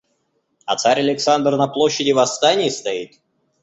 А царь Александр на площади Восстаний стоит?